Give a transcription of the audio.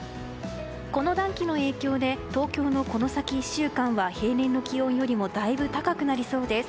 この暖気の影響で、東京のこの先１週間は平年の気温よりもだいぶ高くなりそうです。